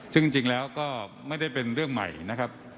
ซึ่งจริงแล้วก็ไม่ได้เป็นเรื่องใหม่นะครับ